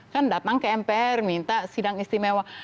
kan datang ke mpr minta sidang istimewa